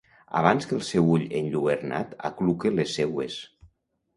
Abans que el seu ull enlluernat acluque les seues.